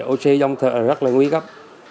oxy dòng thở rất là nguy cấp